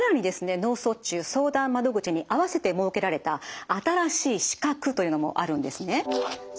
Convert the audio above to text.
脳卒中相談窓口に併せて設けられた新しい資格というのもあるんですね。